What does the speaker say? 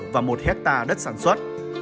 và một hectare đất sản xuất